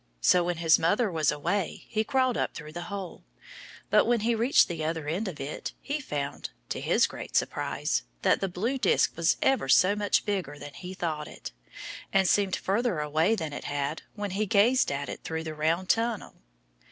So when his mother was away he crawled up through the hole. But when he reached the other end of it he found, to his great surprise, that the blue disk was ever so much bigger than he had thought it, and seemed further away than it had when he gazed at it through the round tunnel.